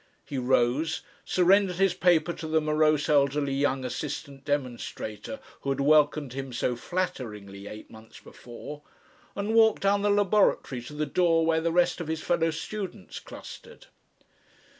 He rose, surrendered his paper to the morose elderly young assistant demonstrator who had welcomed him so flatteringly eight months before, and walked down the laboratory to the door where the rest of his fellow students clustered.